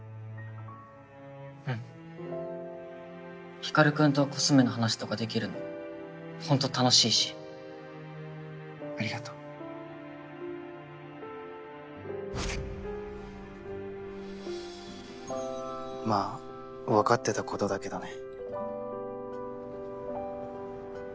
うん光君とコスメの話とかできるのホント楽しありがとうまぁ分かってたことだけどね。